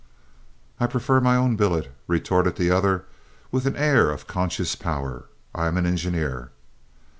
"I prefer my own billet," retorted the other with an air of conscious power. "I am an engineer!"